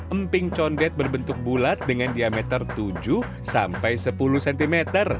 emping condet berbentuk bulat dengan diameter tujuh sampai sepuluh cm